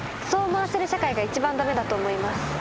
そう思わせる社会が一番駄目だと思います。